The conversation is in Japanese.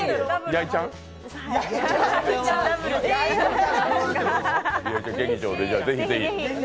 やいちゃん劇場でぜひぜひ。